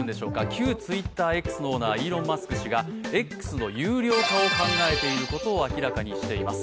旧Ｔｗｉｔｔｅｒ＝Ｘのオーナーイーロン・マスク氏がＸの有料化を考えていることを明らかにしています。